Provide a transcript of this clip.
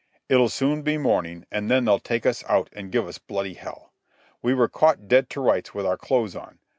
"It'll soon be morning, and then they'll take us out and give us bloody hell. We were caught dead to rights with our clothes on.